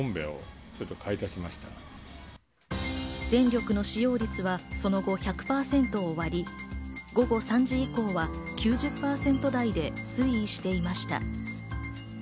電力の使用率はその後１００％を割り、午後３時以降は９０％台で推移していました。